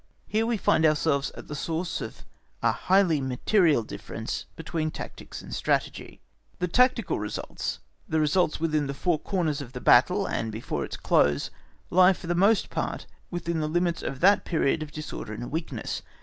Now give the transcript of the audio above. Here we find ourselves at the source of a highly material difference between tactics and strategy. The tactical results, the results within the four corners of the battle, and before its close, lie for the most part within the limits of that period of disorder and weakness.